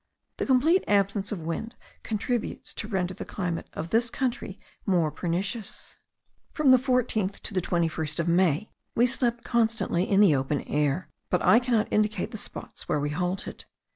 The complete absence of wind contributes to render the climate of this country more pernicious. From the 14th to the 21st of May we slept constantly in the open air; but I cannot indicate the spots where we halted.